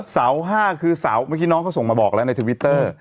เสา๕คือเสาร์เมื่อกี้น้องเขาส่งมาบอกแล้วในทวิตเตอร์